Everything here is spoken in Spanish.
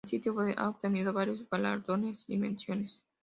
El sitio web ha obtenido varios galardones y menciones.